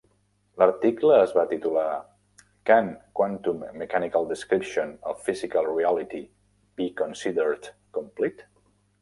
L'article es va titular "Can quantum-mechanical description of physical reality be considered complete?".